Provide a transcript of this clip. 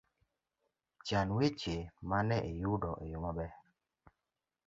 Chan weche mane iyudo e yo maber